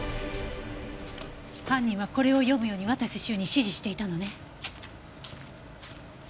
犯人はこれを読むように綿瀬修に指示していたのね。